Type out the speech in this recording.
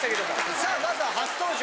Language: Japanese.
さあまずは初登場。